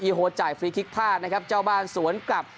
โฮจ่ายฟรีคลิกพลาดนะครับเจ้าบ้านสวนกลับ